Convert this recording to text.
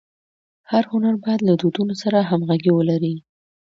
هر هنر باید له دودونو سره همږغي ولري.